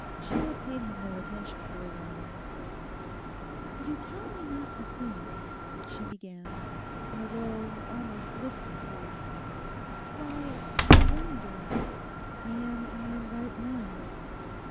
Sheila paid him no attention for a while. 'You tell me not to think,' she began, in a low, almost listless voice; 'why—I wonder I am in my right mind.